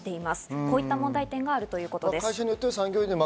こういった問題点があるということです。